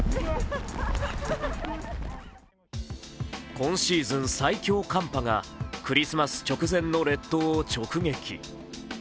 今シーズン最強寒波がクリスマス直前の列島を直撃。